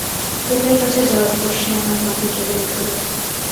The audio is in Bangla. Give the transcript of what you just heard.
গেটের কাছে যাওয়ার পর সে আমার বাহু জড়িয়ে ধরল।